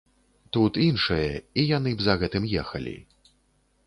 Тут іншае, і яны б за гэтым ехалі.